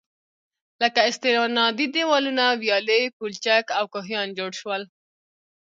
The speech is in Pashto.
لكه: استنادي دېوالونه، ويالې، پولچك او كوهيان جوړ شول.